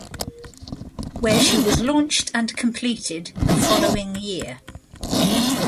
Where she was launched and completed the following year.